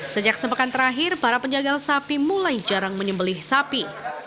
sejak sepekan terakhir para penjagal sapi mulai jarang menyembelih sapi